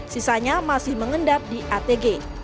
sisanya masih mengendap di atg